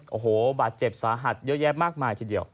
โอ้โหบาดเจ็บสาหัสเยอะแยะมากมายทีเดียว